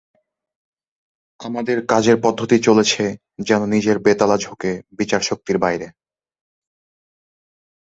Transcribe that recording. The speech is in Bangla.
আমাদের কাজের পদ্ধতি চলেছে যেন নিজের বেতালা ঝোঁকে বিচারশক্তির বাইরে।